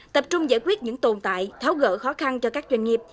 tập trung giải quyết những tồn tại tháo gỡ khó khăn cho các doanh nghiệp